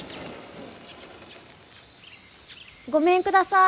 ごめんください。